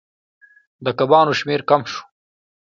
د کبانو شمیر کم شو.